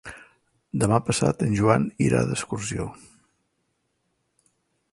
Demà passat en Joan irà d'excursió.